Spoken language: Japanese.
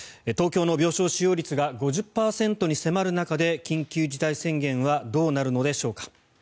東京の病床使用率が５０％に迫る中で緊急事態宣言はどうなるのでしょうか。